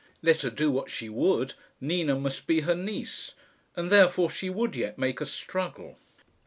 Let her do what she would, Nina must be her niece, and therefore she would yet make a struggle.